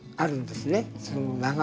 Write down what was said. その流れが。